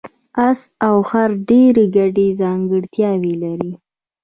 اس او خر ډېرې ګډې ځانګړتیاوې لري.